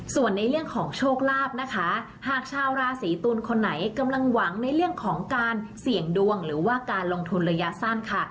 ส่วนในเรื่องของโชคลาภนะคะหากชาวราศีตุลคนไหนกำลังหวังในเรื่องของการเสี่ยงดวงหรือว่าการลงทุนระยะสั้นค่ะ